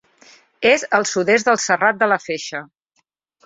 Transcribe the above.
És al sud-oest del Serrat de la Feixa.